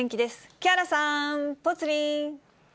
木原さん、ぽつリン。